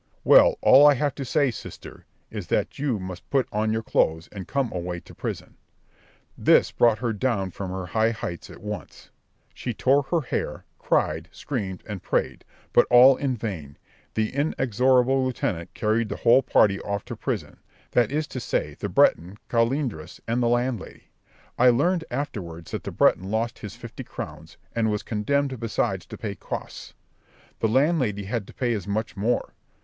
"Well, all I have to say, sister, is, that you must put on your clothes, and come away to prison." This brought her down from her high flights at once; she tore her hair, cried, screamed, and prayed, but all in vain; the inexorable lieutenant carried the whole party off to prison, that is to say, the Breton, Colindres, and the landlady. I learned afterwards that the Breton lost his fifty crowns, and was condemned besides to pay costs; the landlady had to pay as much more.